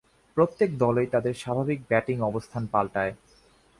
প্রত্যেক দলই তাদের স্বাভাবিক ব্যাটিং অবস্থান পাল্টায়।